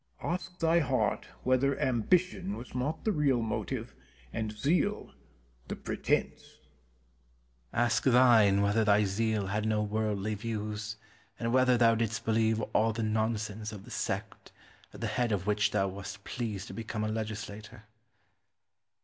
Penn. Ask thy heart whether ambition was not thy real motive and zeal the pretence? Cortez. Ask thine whether thy zeal had no worldly views and whether thou didst believe all the nonsense of the sect, at the head of which thou wast pleased to become a legislator.